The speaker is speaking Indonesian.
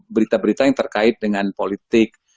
berita berita yang terkait dengan politik